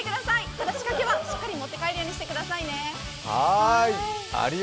ただ、仕掛けはしっかり持って帰るようにしてくださいね。